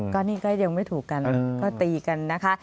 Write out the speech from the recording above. ก็นี่ก็ยังไม่ถูกกันก็ตีกันนะคะ